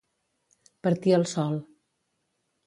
Partir el sol.